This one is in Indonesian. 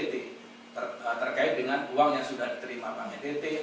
terkait dengan uang yang sudah diterima bank ntt